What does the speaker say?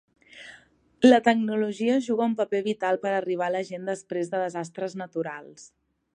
La tecnologia juga un paper vital per arribar a la gent després de desastres naturals.